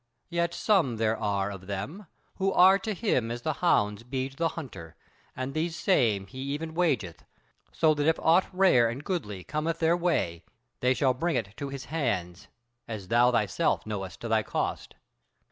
Yet some there are of them, who are to him as the hounds be to the hunter, and these same he even wageth, so that if aught rare and goodly cometh their way they shall bring it to his hands; as thou thyself knowest to thy cost."